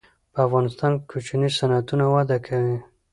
په افغانستان کې کوچني صنعتونه وده کوي.